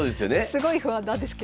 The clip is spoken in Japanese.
すごい不安なんですけど。